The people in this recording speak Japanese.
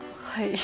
はい。